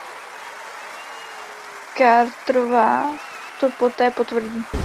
Carterová to poté potvrdí.